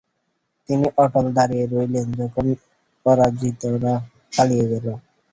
তিনি অটল দাঁড়িয়ে রইলেন যখন পরাজিতরা পালিয়ে গেল।